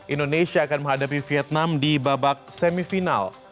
indonesia akan menghadapi vietnam di babak semifinal